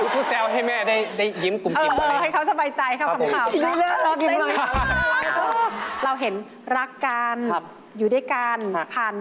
กูแซวให้แม่ได้ยิ้มกลุ่มกิ่มไป